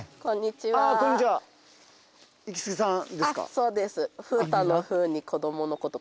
そうです